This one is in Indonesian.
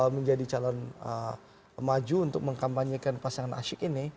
menjadi calon maju untuk mengkampanyekan pasangan asyik ini